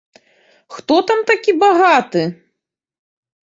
Хто там такі багаты?